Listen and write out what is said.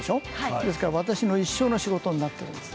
ですから私の一生の仕事になっています。